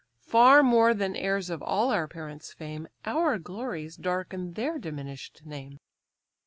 Far more than heirs of all our parents' fame, Our glories darken their diminish'd name."